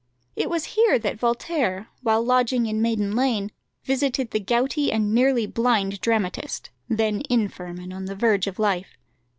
It was here that Voltaire, while lodging in Maiden Lane, visited the gouty and nearly blind dramatist, then infirm and on the verge of life.